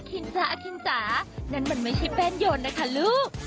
คินจ๊ะอาคินจ๋านั่นมันไม่ใช่แป้นโยนนะคะลูก